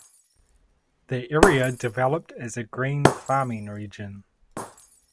The area developed as a grain farming region.